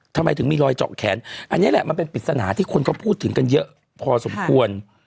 ทำไมถึงมีรอยเจาะแขนอันนี้แหละมันเป็นปริศนาที่คนก็พูดถึงกันเยอะพอสมควร